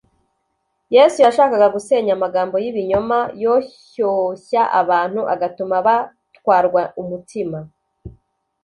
yesu yashakaga gusenya amagambo y’ibinyoma yoshyoshya abantu agatuma batwarwa umutima